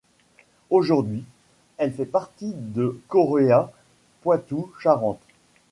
Aujourd'hui, elle fait partie de Corea Poitou-Charentes.